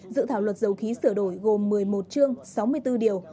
dự thảo luật dầu khí sửa đổi gồm một mươi một chương sáu mươi bốn điều